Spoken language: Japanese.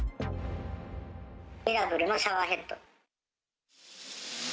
ミラブルのシャワーヘッド。